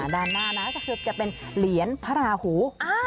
ด้านหน้านะก็คือจะเป็นเหรียญพระราหู